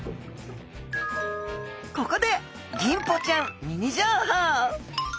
ここでギンポちゃんミニ情報。